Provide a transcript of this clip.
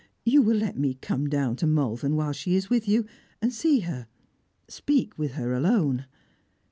You will let me come down to Malvern, whilst she is with you, and see her speak with her alone."